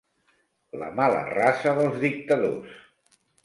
La mala raça dels dictadors.